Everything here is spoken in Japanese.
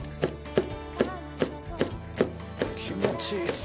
気持ちいいですね！